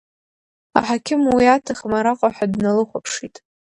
Аҳақьым уи аҭахым араҟа ҳәа дналыхәаԥшит.